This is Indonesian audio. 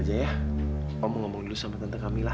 berbicara dulu dengan tante kamilah